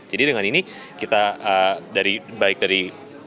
jadi dengan ini kita dari baik dari